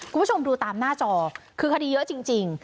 คุณผู้ชมดูตามหน้าจอคือคดีเยอะจริง